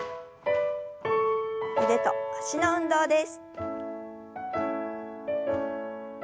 腕と脚の運動です。